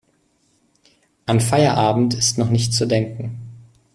An Feierabend ist noch nicht zu denken.